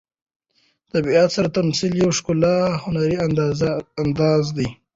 د طبیعت سره تمثیل یو ښکلی هنري انداز دی.